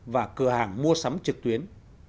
và cửa hàng mua sắm trực tuyến